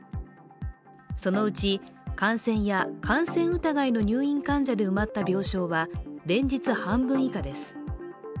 そのうち、感染や感染疑いの入院患者で埋まった病床は、連日半分以下です。